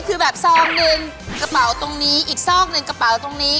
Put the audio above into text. คือแบบซองหนึ่งกระเป๋าตรงนี้อีกซอกหนึ่งกระเป๋าตรงนี้